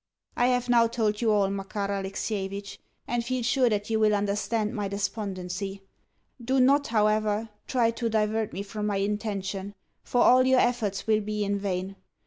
I have now told you all, Makar Alexievitch, and feel sure that you will understand my despondency. Do not, however, try to divert me from my intention, for all your efforts will be in vain.